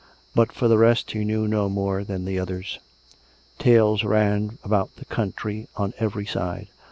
But for the rest he knew no more than the others. Tales ran about the country on every side.